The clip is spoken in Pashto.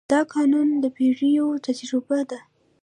دا قانون د پېړیو تجربه ده.